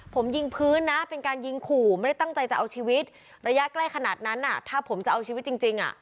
ผมยิงพื้นนะเป็นการยิงขู่ไม่ได้ตั้งใจจะเอาชีวิตระยะใกล้ขนาดนั้นถ้าผมจะเอาชีวิตจริงอ่ะ